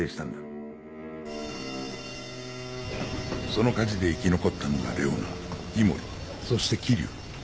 その火事で生き残ったのがレオナ氷森そして霧生。